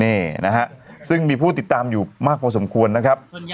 นี่นะฮะซึ่งมีผู้ติดตามอยู่มากพอสมควรนะครับ